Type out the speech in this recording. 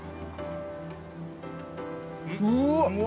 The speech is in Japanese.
うわっ！